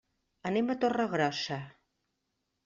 Anem a Torregrossa.